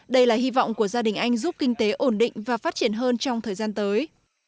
đây là hy vọng của gia đình anh giúp kinh tế ổn định và phát triển hơn trong thời gian tới